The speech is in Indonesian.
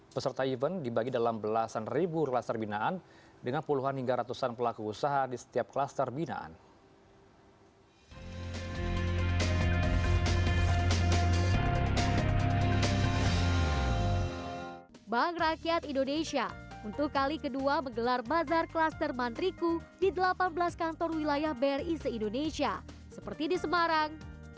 peserta event dibagi dalam belasan ribu klaster binaan dengan puluhan hingga ratusan pelaku usaha di setiap klaster binaan